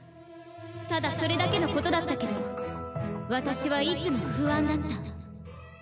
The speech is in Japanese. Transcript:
ただそれだけのことだったけど私はいつも不安だった。